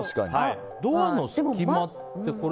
ドアの隙間って